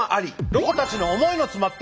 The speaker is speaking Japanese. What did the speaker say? ロコたちの思いのつまった。